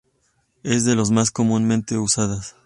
Es de los más comúnmente usados.